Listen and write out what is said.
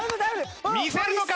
見せるのか？